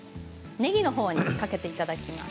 ねぎのほうにかけていただきます。